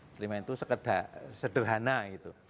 celimen itu sederhana gitu